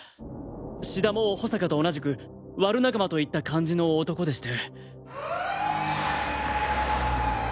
志田も保坂と同じくワル仲間といった感じの男でして。